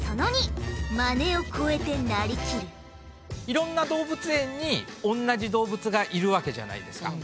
いろんな動物園に同じ動物がいるわけじゃないですか。